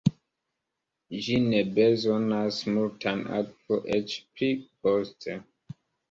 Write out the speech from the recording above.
Ĝi ne bezonas multan akvo eĉ pli poste.